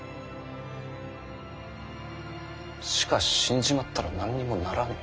しかし死んじまったら何にもならねぇ。